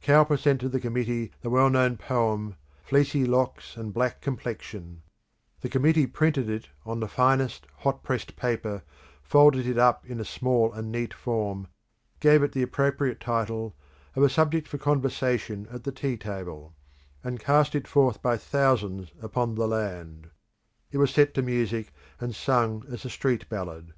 Cowper sent to the Committee the well known poem, "Fleecy locks and black complexion"; the Committee printed it on the finest hot pressed paper, folded it up in a small and neat form, gave it the appropriate title of "A subject for conversation at the tea table," and cast it forth by thousands upon the land. It was set to music, and sung as a street ballad.